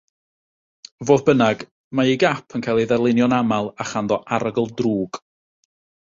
Fodd bynnag, mae ei gap yn cael ei ddarlunio'n aml â chanddo arogl drwg.